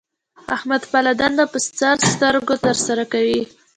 احمد خپله دنده په سر سترګو تر سره کوي.